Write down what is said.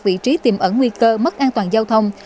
vị trí tiềm ẩn nguy cơ mất an toàn giao thông